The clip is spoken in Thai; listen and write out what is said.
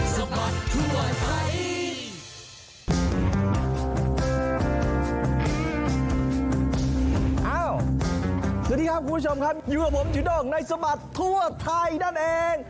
สวัสดีครับคุณผู้ชมครับอยู่กับผมจูด้งในสบัดทั่วไทยนั่นเอง